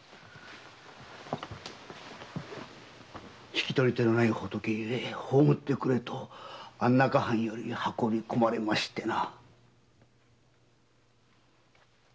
引き取り手のない仏ゆえ葬ってくれと安中藩より運び込まれましてな。